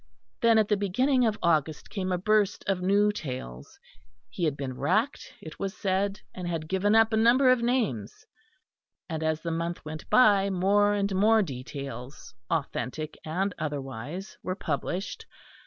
Then at the beginning of August came a burst of new tales; he had been racked, it was said, and had given up a number of names; and as the month went by more and more details, authentic and otherwise, were published.